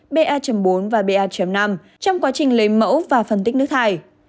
ba bốn và ba năm trong quá trình lấy mẫu và phân tích nước thải